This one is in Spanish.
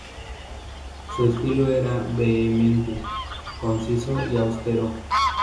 Su estilo era vehemente, conciso y austero.